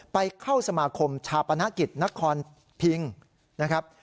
ไปเข้าสมาคมชาปนกิจนครพิงนะครับ